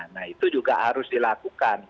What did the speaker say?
nah itu juga harus dilakukan